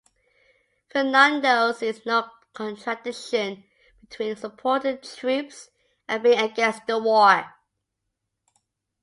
Fernando sees no contradiction between supporting the troops and being against the war.